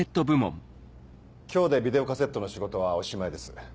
今日でビデオカセットの仕事はおしまいです。